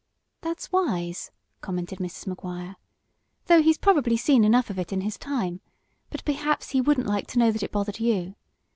"That's wise," commented Mrs. Maguire. "Though probably he's seen enough of it in his time. But perhaps he wouldn't like to know that it bothered you.